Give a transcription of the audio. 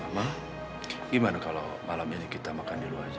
ma gimana kalau malam ini kita makan dulu saja